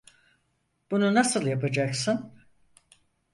Bunu nasıl yapacaksın?